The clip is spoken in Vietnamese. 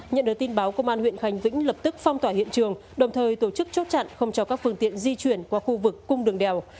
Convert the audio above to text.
nhận được tin báo công an huyện khánh vĩnh lập tức phong tỏa hiện trường đồng thời tổ chức chốt chặn không cho các phương tiện di chuyển qua khu vực cung đường đèo